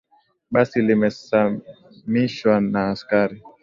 Basi limesamishwa na askari.